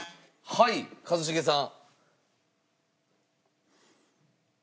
はい一茂さん。